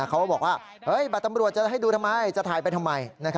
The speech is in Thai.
เขาบอกว่าบัตรตำรวจจะให้ดูทำไมจะถ่ายไปทำไม